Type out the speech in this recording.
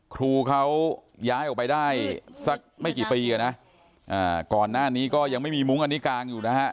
ครูเขาย้ายออกไปได้สักไม่กี่ปีอ่ะนะก่อนหน้านี้ก็ยังไม่มีมุ้งอันนี้กางอยู่นะฮะ